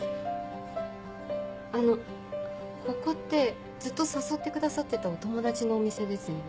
あのここってずっと誘ってくださってたお友達のお店ですよね？